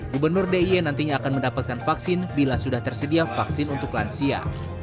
gubernur d i e nantinya akan mendapatkan vaksin bila sudah tersedia vaksin untuk lansia